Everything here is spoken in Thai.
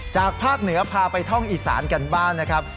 จากภาคเหนือพาไปท่องอีสานกันบ้างนะครับ